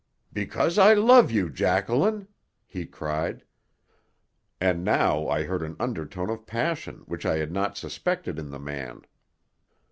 "Because I love you, Jacqueline," he cried, and now I heard an undertone of passion which I had not suspected in the man.